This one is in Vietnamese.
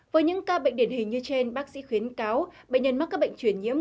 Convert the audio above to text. với những ca bệnh điển hình như trên bác sĩ khuyến cáo bệnh nhân mắc các bệnh truyền nhiễm